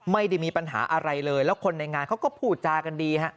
ไม่ได้มีปัญหาอะไรเลยแล้วคนในงานเขาก็พูดจากันดีฮะ